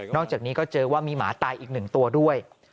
จากนี้ก็เจอว่ามีหมาตายอีก๑ตัวด้วย